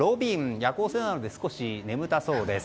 夜行性なので少し眠たそうです。